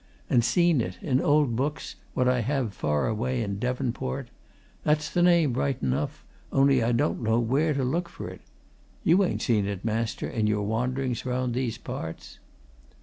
And seen it in old books, what I have far away in Devonport. That's the name, right enough, only I don't know where to look for it. You ain't seen it, master, in your wanderings round these parts?"